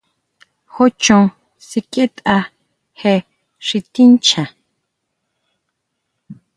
Jú chon sikjietʼa je xi tincha.